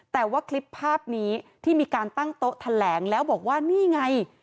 แต่ว่าคลิปภาพนี้ที่มีการตั้งโต๊ะแถลงแล้วบอกว่านี่ไง